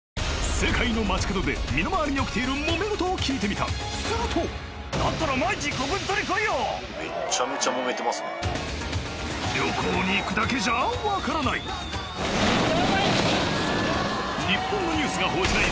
世界の街角で身の回りに起きているモメゴトを聞いてみたすると旅行に行くだけじゃ分からない日本のニュースが報じない